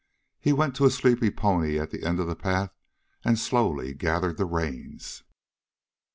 He went to a sleepy pony at the end of the path and slowly gathered the reins.